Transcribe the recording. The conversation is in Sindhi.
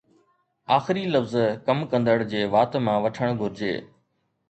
آخري لفظ ڪم ڪندڙ جي وات مان وٺڻ گهرجي